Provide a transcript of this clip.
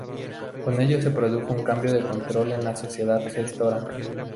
Con ello se produjo un cambio de control en la sociedad gestora.